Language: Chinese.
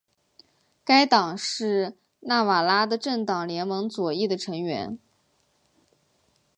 该党是纳瓦拉的政党联盟左翼的成员。